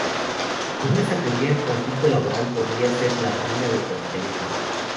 Según esta teoría, el conflicto laboral podría ser la ruina del capitalismo.